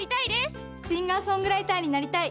シンガーソングライターになりたい。